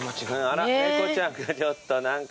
あら猫ちゃんがちょっと何か。